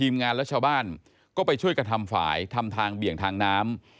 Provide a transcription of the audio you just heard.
งานและชาวบ้านก็ไปช่วยกระทำฝ่ายทำทางเบี่ยงทางน้ำ